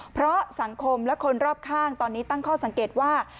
เพราะสังคมและคนรอบข้างตอนนี้ตั้งข้อสังเกตว่า